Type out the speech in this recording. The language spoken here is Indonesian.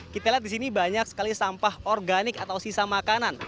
kita lihat di sini banyak sekali sampah organik atau sisa makanan